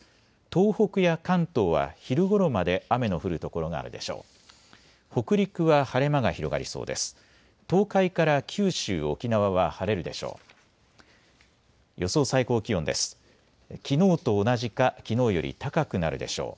東北や関東は昼ごろまで雨の降る所があるでしょう。